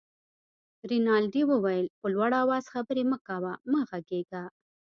رینالډي وویل: په لوړ آواز خبرې مه کوه، مه غږېږه.